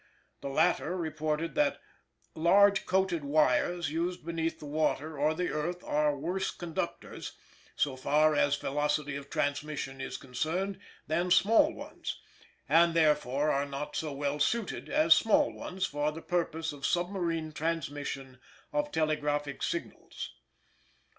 The latter reported that "large coated wires used beneath the water or the earth are worse conductors so far as velocity of transmission is concerned than small ones; and, therefore, are not so well suited as small ones for the purposes of submarine transmission of telegraphic signals."